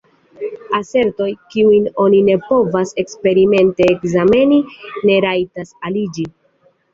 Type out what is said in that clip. Asertoj, kiujn oni ne povas eksperimente ekzameni, ne rajtas aliĝi.